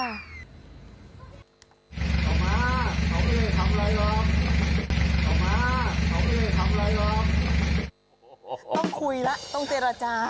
ต้องคุยแล้วต้องเจรจา